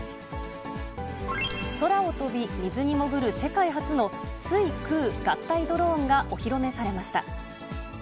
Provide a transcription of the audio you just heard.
空を飛び、水に潜る、世界初の水空合体ドローンがお披露目されました。